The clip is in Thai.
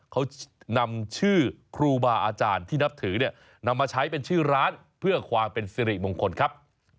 เขานำชื่อครูบาอาจารย์ที่นับถือเนี่ยนำมาใช้เป็นชื่อร้านเพื่อความเป็นสิริมงคลครับ